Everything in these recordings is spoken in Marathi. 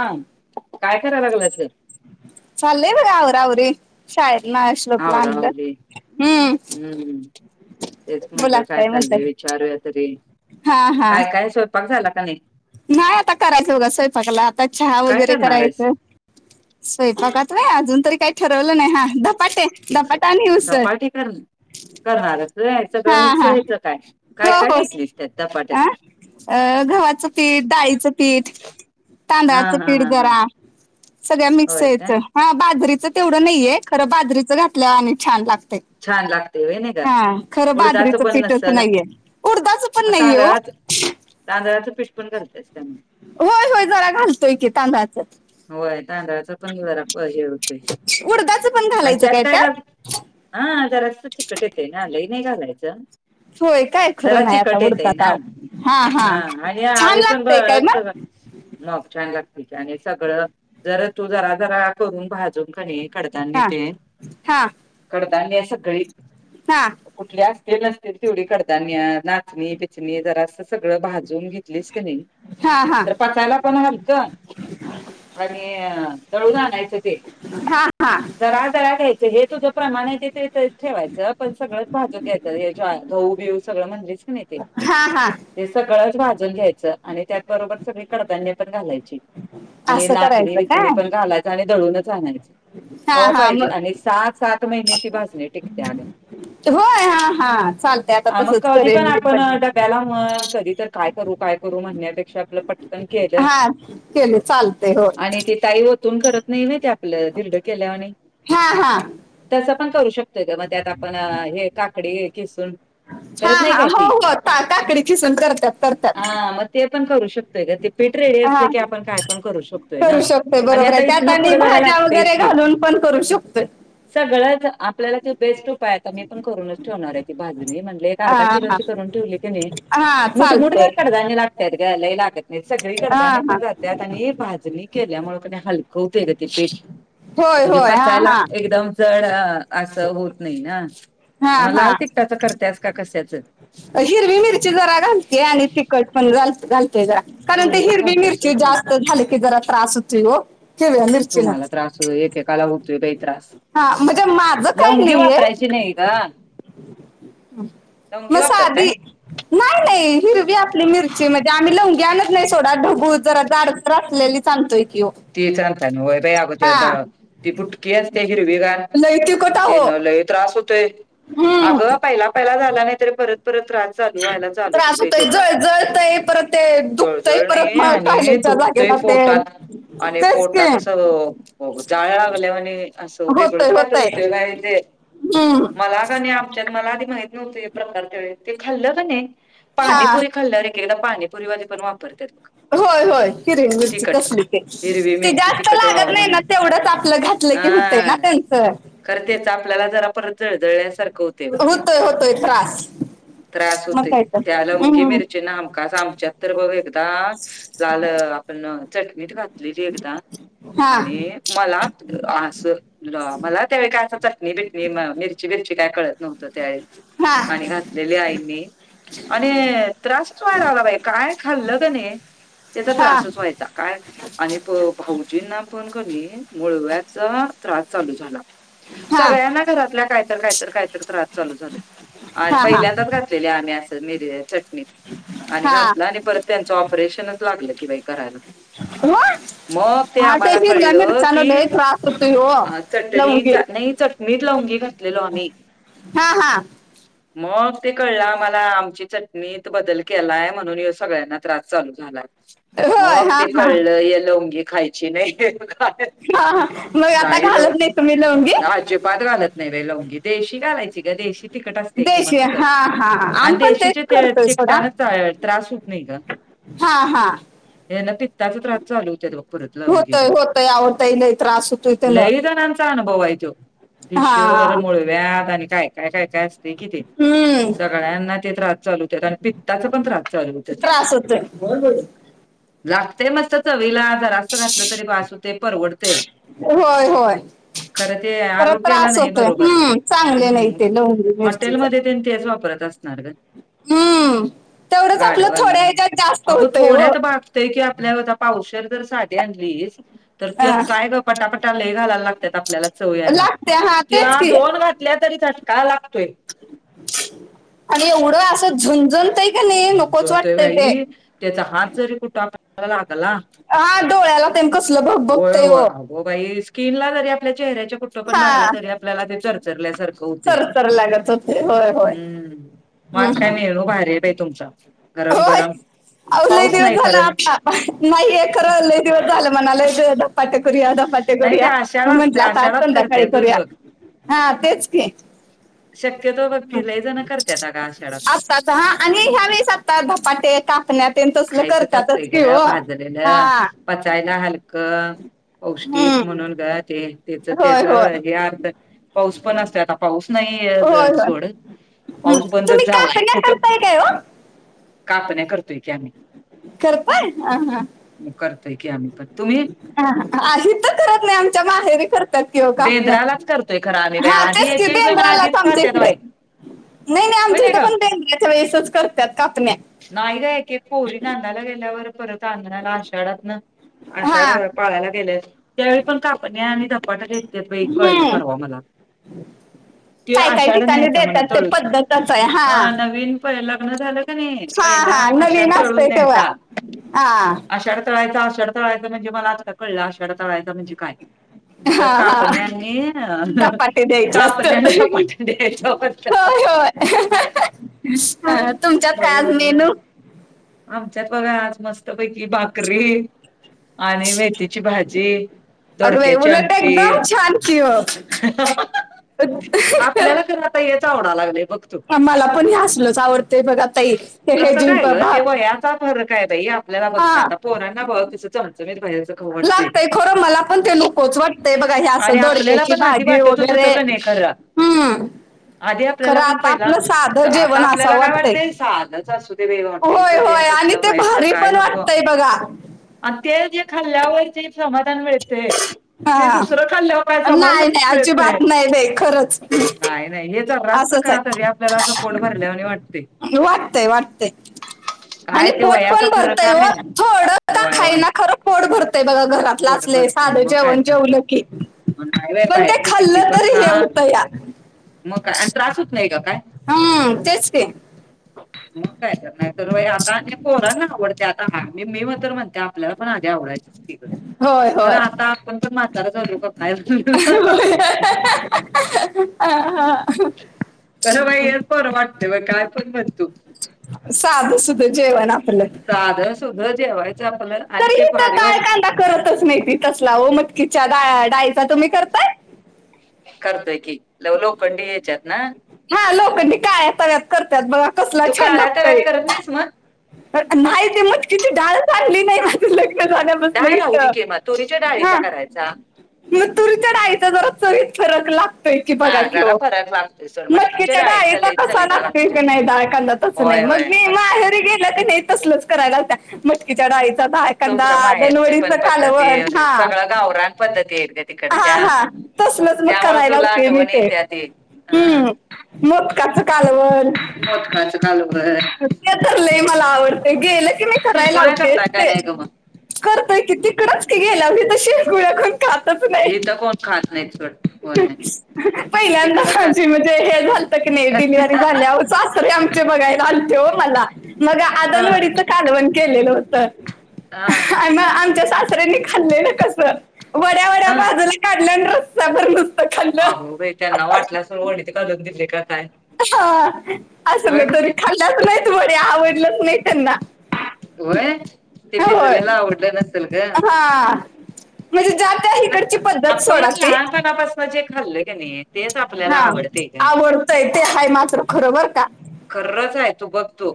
हां काय कराय लागल्यास ग. [inaudible] [inaudible] हम्म तेच बोला म्हणलं काय म्हणताय? चाललंय विचारूया तरी हा हा काय काय स्वयंपाक झाला का नाही नाही आता करायचं बघा स्वयंपाकला आता चहा काय वगैरे करणार आहेस? करायचं स्वयंपाकात नाही अजून तरी काही ठरवलं नाही हा धपाटे धपाटा आणि उसळ. धपाटी कर करणार हा सगळं मिक्स हा घेत काय हो काय काय हो घेतलीस त्यात अ झपाट्यात अ गव्हाचं पीठ डाळीचं पीठ हा तांदळाचं हा पीठ हा हा जरा सगळ्या मिक्स होय काय यायचं हा बाजरीच तेवढं नाहीये खरं बाजरीचं घातल्या आणि छान लागत [inaudible] बादरीच पण फिटच नसल नाहीये उरदाच पण मग नाहीय हो तांदळाच तांदळाचं. पीठ पण घालतेस काय मग होय होय जरा घालतोय की तांदळाच होय तांदळाचा पण जरा प हे होते उडदाचं पण आणि घालायचं त्यात काय का [inaudible] जराची होय काय खरं नाही आता कटेत आहे उडदात ना आव हा आणि छान आम्ही पण ब लागतंय काय मग मग छान लागतील आणि सगळं जरा तू जरा जरा करून भाजून खणी हा हा कडधान्य असं गळी हा कुठले असतील नसतील तेवढी कडधान्य नाचणी बिचणी जरा असं सगळं भाजून घेत ली क नाही हा हा तर पकायला पण हल का आणि दळून आणायचं ते हा हा जरा जरा घ्यायचं हे तुझं प्रमाणे ते ठेवायचं पण सगळंच भाजत येत ज घहऊ बिऊ सगळं म्हणजेच पण येते हा हा ते सगळंच भाजून घ्यायचं आणि त्याच बरोबर सगळी कडधान्य पण घालायच आणि असं नाचणी करायचं विचणी काय पण घालायच आणि दळूनच आणायचं हा क हा पाहिजे आणि मग सात सात ग होय हा हा चालतंय आता तसंच कधी पण करेन मी आप डब्याला मग कधी तर काय करू काय करू म्हणण्यापेक्षा आपलं पटकन केलं चालते हो आणि ती ताई ओतून करत नाही म ते आपल्याला धर्ड केल्या आणि हा हा तसं पण करू शकतोय का मग त्यात आपण हे काकडी किसून हा करत नाही हा काय हो त हो ता काकडी खिसून करतात करतात हा मग ते पण करू शकतोय का ते ीट रेडी असल की हा आपण काय पण करू शकतोय ना करू शकतोय आणि बरोबर आता आहे त्यात इथन आणि पुढं जरा भाज्या लागतेच वगैरे की घालून पण करू शक सगळंच आपल्याला त बेस्ट पाय आता मी पण करूनच ठेवणार आहे ती भाजणी. म्हटल एक हा अर्धा हा किलोची करून ठेवली की नाही हा मोठेमोठे चालतंय वर कडधान्य लागत्यात ग. लई लागत नाही सगळी हा कडधान्य हा पण जात्यात त्यानी भाजणी केल्यामुळे क नणी हलकं होतय ग ते पीठ होय म्हणजे होय हा पचायला हा एकदम असं होत नाही ना हा मग हा लाल तिकटाच करतास का कशाचं [inaudible] दोन्ही पण घालत्यास होय तू [inaudible] [unintelligible] [unintelligible] त्रास हा म्हणजे माझं काही लवंगी नाहीये वापरायची नाही ग. लवंगी म सादी वापरताय नाही नाही हिरवी आपली मिरची मध्ये आम्ही लवंगी आणत नाही. सोडा ढबु जरा जाड रातलेलीच आणतोय कि वो. तीच आणता वय बायी अग ते ड ती बुटकी असते हिरवीगार. लय तिखट ते अहो न लय त्रास होतोय. हम्म अगं पहिला पहिला झाला नाही तरी परत परत त्रास चालू व्हायला चालूच त्रास होत होतोय त्याचा. जळ जळतय परत ते दुखतय जळजळ परत नाही मग आणि टॉयलेटच्या दुख ते जागेला पोटात आणि तेच की पोटात असं हो ग जाळ लागल्यावाणी अस वेगळच काहीतरी होतय हम्म मला कनी आम मला आधी माहीत नव्हत हे प्रकार. ते खाल्लं का नाही हा पाणीपुरी खाल्लं एकदा पाणीपुरी वाले पण वापरत्यात. होय होय हिरवी मिरची तसली. हिरवी ते मिरची जास्त तिखट लागत व्हावं नाही म्हणून ना. तेवढंच आपलं घातलं की होत ना हा. त्यांचं. खरं तेच आपल्याला जरा परत जळजळल्यासारखं होत. होतोय होतोय त्रास. त्रास मग होतोय. काय तर त्या लवंगी हम्म मिरचीने हमकास आमच्या तर बघ एकदा लाल आपण चटणीत घात एकदा हा आणि मला असं ल मला त्यावेळी काय असं चटणी बिटणी मिरची बिरची काय कळत नव्हतं त्यावेळी. हा आणि घातलेली आईनी. आणि त्रासच व्हाय आला बाई काय खाल्लं ग नाही. त्याचा हा त्रासच व्हायचा. काय आणि प भाऊजींना पण कणी मुळव्याधचा त्रास चालू झाला. हा सगळ्यांना घरातल्या कायतरी कायतरी कायतरी त्रास चालू झाले. हा हा पहिल्यांदाच घातलेले आम्ही अस मिर चटणीत आणि हा घातलं आणि परत त्यांच ऑपरेशनच लागलं कि बायी करायला. [unintelligible] मग ते हा आम्हाला हिरव्या कळलं मिरच्यानं की, लय त्रास होतोय हो लवंगी चटणीचा नाही चट मी लावंगी घातलेलो आम्ही. हा हा [inaudible] मग ते कळलं आम्हाला. आमची चटणीत बदल केलाय म्हणून ह्यो सगळ्यांना त्रास चालू झाला. होय मग हा ते हा कळलं य लोंगी खायची नाही. हा मग आता नाही लव घालत तुम्ही लवंगी आजीबात घालत नाही रे लवंगी देशी घालायची ग देशी तिकट असते की देशी मस्त. हा हा आणि आम्ही पण तेच देशीच्या ते करतोय सोडा तिकटान त त्रास होत नाही ग. हा हा यान पित्ताचा त्रास चालू होत्यात बघ परत लवंगीन. होतय होतय आवडतय लय त्रास होतोय त्यान लई जणांच अनुभव आहे तो. हा फिशर, मुळव्यात आणि काय काय काय काय असते कि ते हम्म सगळ्यांना ते त्रास चालू होत्यात. आणि पित्ताचा पण त्रास चालू होत्यात. [unintelligible] लागतेय मस्त चवीला जरा घातलं तरी बास वते परवडते. होय होय खरं ते खर आरोग्याला त्रास नाही होतोय बरोबर हम्म चांगले नाही हम्, ते लवंगी मिरचीच हॉटेलमध्ये त्यांनी तेच वापरत आसणार ग, हम्म तेवढंच आपलं थोड्या गाडवालं ह्याच्यात जास्त अगो होतय हो थोड्यात बा आपल्या आता पावशर जर साध आणली तर त्यात हा काय ग पटापटा लय घालायला लागत्यात आपल्याला चव याला, लागते हा तेच त्या की दोन घातल्या तरी का लागतोय. आणि एवढं असं झूनझूनतय का नाही नकोच झणझणतोय वाटतय ते बाई त्याचा हात जरी कुठला आपल्याला लागला हा डोळ्याला ते कसलं भग होय बघतय होय. हो बाई स्किन ला जरी आपल्या चेहऱ्याच्या कुठ पण लागला तरी आपल्याला ते चरचरल्यासारखं होतंय. चरचरल्यागत हम्म म आज हम्म काय हम्म. मेनू भारी आहे बाई तुमच गरम होय गरम अहो लय पाऊस दिवस नाही झाला खरं आता नाहीये खरं लय दिवस झालं म्हणा लय दिवस धपाटे करूया धपाटे नाही ते करूया आषाढ मग म्हंटलं असतंय आता आज आषाढात संध्याकाळी करत्यातच करूया बघ हा तेच की शक्यतो बघ की लय जण करतत अग आषाढात आत्ताच हा आणि ह्यावेेळेस आता धपाटे कापण्या तेन तसलं खायचच असतंय करतातच की ग हो हा भाजलेलं पचायला हलकं हम्म पौष्टिक म्हणून ग ते त्याच होय त्याचा होय हे अर्थ पाऊस पण असतोय आता पाऊस नाहीये होय होय सोड हम्म. पाऊस तुम्ही बंदच झालाय कापण्या कुठ करताय काय ओ? कापण्या करतोय की आम्ही! करताय ह हा. करतोय की आम्ही पण, तुम्ही? हित करत नाही आमच्या माहेरी कर तात की ओ कापण्या बेंद्रालाच करतोय खरं आम्ही बाई हा आधी तेच की एक एक जण बेद्राला आधीच आमच्या खात्यात हिकडं बाई नाही नाही होय आमच्या इथं ग. पण बेंदराच्या वेळेसच करतात कापण्या. नाही ग एक एक पोरी नादायला गेल्यावर परत आणायला आषाढातन हा अशाढ पाळायला गेल्या त्यावेळी पण कापण्या आणि धपाट ते कळलं हम्म परवा मला तो काय काय आषाढ ठिकाणी न्यायचा म्हन देतात ते तळून पद्धतच आहे हा अ नवीन प लग्न झालं. कानाय हा पहिला हा आषाढ नवीन तळून असतंय तेव्हा न्यायचा हा आषाढ तळायचा आषाढ तळायचा म्हणजे मला आता कळलं आषाढ तळायचा म्हणजे काय? तर हा ह कापण्यानी धपाटे ती द्यायचे असत कापण्याने धपाटा द्यायचा होता होय होय. [unintelligible] तुमच्यात काय वय आज वल्ल, मेनू आमच्यात बघा आज मस्त पैकी भाकरी आणि मेथीची भाजी दोडक्याची आमटी ची व आपल्याला खर आता हेच आवडाय लागलाय बघ तू मला पण हे असलच आवडतय बघा ताई हे कसं जी काय भा गं ते वयाचा फरक आहे बाई आपल्याला बघ का आता पोनां बघ कसं चमचमीत बाहेरच खाऊ वाटतंय लागतंय खरं मला पण ते नकोच वाटतंय बघा हे आणि असं आपल्याला दोडक्याची पण आधी भाजी वाटतच वगैरे होतं का नाही खरा हम्म आधी आपल्याला खरं पण आता पहिला आपलं साधं आता जेवण असं आपल्याला काय वाटतंय वाटतय साध दच असुदे होय हॉटेलचं ते होय आणि तसलं ते बाहेरच भारी काय पण नको! वाटतंय बघा आणि ते जे खाल्ल्यावर जे समाधान मिळतय ते हा दुसरं खाल्याव काय नाही समाधान नाही मिळतय. अजिबात नाही बाई खरंच नाही नाही हे जबस असंच खाल्ल तरी आपल्याला असं पोट भरल्या वाणी वाटतय. वाटतय वाटतय! [inaudible] आणि पोट वयाचा पण फरक भरतय व आहे थोडं का होय होय खायना खरं पोट भरतंय बघा घरातल पोट असले भरते साध मग काय तर नाही बाय पण ते बाहेरच किती खाल्लं पण तरी खा हे होतं या मग काय आणि त्रास होत नाही ग काय? हम्म तेच ते. मग काय तर नाही तर आता आणि पोरांना आवडते आता हा म मी मग तर म्हणते आपलं पण आधी आवडायची की ग होय खरं होय आता आपण पण म्हातार झालो की काय [unintelligible] अ हा खरं बाई हेच बरं वाटतं ब काय पण म्हण तू साध सुध जेवन आम साध सूद जेवायचं आपलं आणि तरी ते इथं भारी वाट डाळ कांदा करतच नाही ती तसला वो मटकीच्या डा डाळीचा तुम्ही करताय करतोय की लव लोखंडी याच्यात ना हा लोखंडी काळा ताव्यात करत्यात बघा कसला तू छान काळ्या लागतय [unintelligible] मग नाही ती मटकीची डाळच आणली नाही लग्न झाल्या पासन डाळ इथ राहू दे की मग तुरीच्या हा डाळीचा करायचा तुरी तुरच्या डाईचा जरा चवीत फरक लागतोय की बघा हा जरा वो फरक लागतोय सोड मटकीच्या डाळीचा लईच कसा चवीला लागते लागतोय. की नाही डाळकांदा तस नाही होय मग होय मी मस्त. माहेरी गे गेले की नई तसलाच कराय लावत्या. मटकीच्या डाळीचा डाळकांदा तुमच्या माहेरचे दनवडीच पण कालवण पद्धती हा सगळं गावरान पद्धती आहेत ग हा तिकडच्या. हा तसलच मग त्यामुळे कराय तुला लावते मी आठवण ते येत्या अं हम्म मोदकाच कालवण मोदकाचं कालवण ते तर लई मला आवडते गेले की मी कराय शिरपोळ्या लावतेच करताय का ते नाही ग करतय की तीकडच की गेलावर इथ शिकू खातच मग नाही इथं कोण खात नाहीत सोड होय. पहिल्यांदा तिकडं हा खात म्हणजे हे झा क नाही डिलिव्हरी झाल्यावर सासरे आमचे बघायला आलते हो मला मग हा आदणवडीच कालवण केलेलं होत हा आणि मग आमच्या सास सासरेनी खाल्लेल कस हा [unintelligible] काढल्या रस्सा बर अगं बाई त्यांना वाटल्या असल वडीच घालून दिले की काय हा होय असलं का तरी नाही खाल्लंच नाहीत वड्या आवडलंच नाही त्यांना होय ते होय भिजलेलं आवडलं नसल गं हा म्हणजे ज्या त्या इकडची पद्धत आपण सोडा ती लहानपणापासून जे खाल्लं की नाही तेच हा आपल्याला आवडते का आवडतंय ते आहे मात्र खर बर का खर्रच आहे तू बघ तो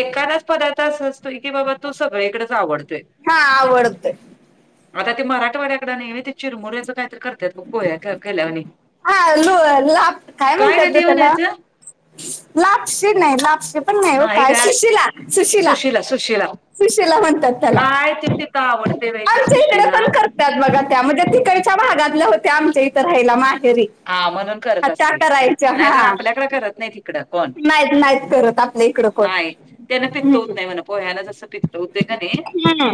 एकादाच पदार्थ अस असतोय की बाबा तू सगळीकडच आवडत हा आडतयं आता ते मराठवाड्याकड नाही ते चिरमुऱ्याच काय तर करत्यात बग पोह्या क केल्यावाणी हा लो लाप काय म्हणतात गं ग ते त्याला म्हणायचं लापशी नाही लापशी पण नाही हो काय सुशिला सुशिला सुशिला म्हणतात त्याला काय ते तिथं आवडतयं बई आमच्या इकडं पण करतात बघा त्या म्हणजे तिकडच्या भागातल्या होत्या आमच्या इथ रायला माहेरी हा म्हणून करत हा, त्या असतील करायच्या नाही तर हा आपल्याकड करत नाही इकडं कोण नाहीत नाहीत करत आपल्या इकडं कोण नाही त्याना पित्त हम्म. होतय म्हण पोह्यान जस पित्त होतय कनई हम्म.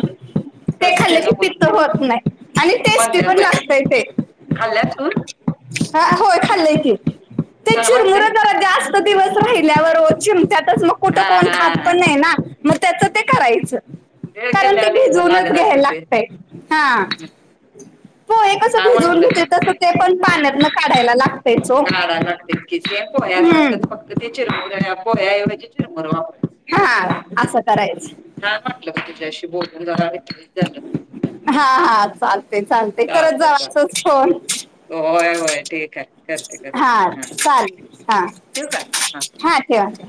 ते खाल्ल की पित्त होत नाही आणि टेस्टी म्हणत्यात पण बाई लागतय ते खाल्ल्यातून हा होय खाल्लय की ते चांगलं चिरमुर लागतंय जरा जास्त दिवस राहिल्यावर चिमत्यातच मग कुठं हा कोण खात हा पण नाही ना मग त्याचं ते करायचं भेळ कारण ते केल्यावानी भिजवूनच लागत घ्यायला असेल ते लागतयं हा छान पोहे कसं भिजवून वाटलं घेतोय तसं ते पण पाण्यातन काढायला लागतेयच हो ते पोह्या सारखच फक्त ते चिरमुऱ्या पोह्या एवजी चिरमुर वापरतोय हा असं करायच नाही वाटलं तिझशी बोलून जरा ऐक झा हा हा चालते चालते करत चालतंय जाव असच चालतंय फोन होय होय ठीक आहे करते करते हा चालेल हा ठव का हा ठेवा ठेवा